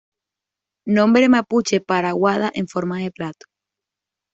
Nombre mapuche para "aguada en forma de plato".